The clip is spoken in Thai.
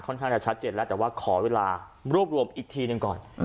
ข้างจะชัดเจนแล้วแต่ว่าขอเวลารวบรวมอีกทีหนึ่งก่อน